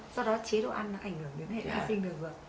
do đó chế độ ăn nó ảnh hưởng đến hệ khai sinh đường ruột